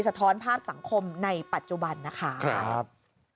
สะท้อนภาพสังคมในปัจจุบันนะคะ